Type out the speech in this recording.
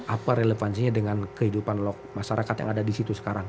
apa relevansinya dengan kehidupan masyarakat yang ada di situ sekarang